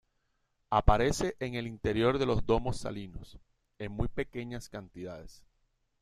Aparece en el interior de los domos salinos, en muy pequeñas cantidades.